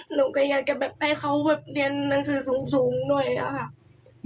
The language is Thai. หนูก็อยากแบบให้เขาเรียนหนังสือสูงด้วยค่ะ